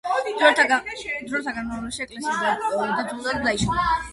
დროთა განმავლობაში ეკლესია დაძველდა და დაიშალა.